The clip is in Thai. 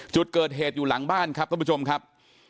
จุดเกิดเหตุอยู่หลังบ้านครับท่านผู้ชมครับ